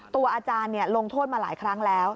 อาจารย์ลงโทษมาหลายครั้งแล้ว